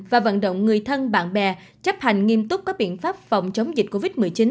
và vận động người thân bạn bè chấp hành nghiêm túc các biện pháp phòng chống dịch covid một mươi chín